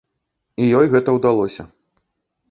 І ёй гэта ўдалося.